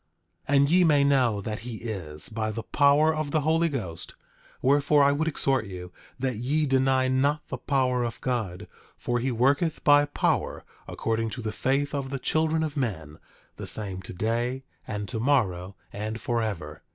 10:7 And ye may know that he is, by the power of the Holy Ghost; wherefore I would exhort you that ye deny not the power of God; for he worketh by power, according to the faith of the children of men, the same today and tomorrow, and forever.